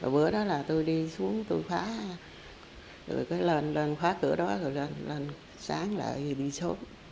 bữa đó là tôi đi xuống tôi khóa rồi lên lên khóa cửa đó rồi lên sáng là đi sớm